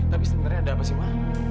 tapi sebenarnya ada apa sih mah